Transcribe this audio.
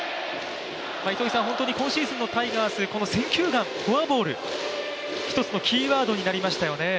本当に今シーズンのタイガース、制球眼、フォアボールが一つのキーワードになりましたよね。